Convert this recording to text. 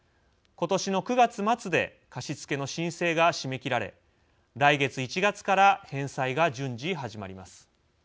今年の９月末で貸付の申請が締め切られ来月１月から返済が順次、始まります。